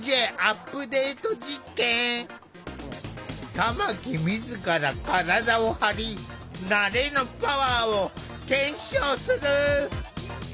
玉木自ら体を張り「慣れのパワー」を検証する。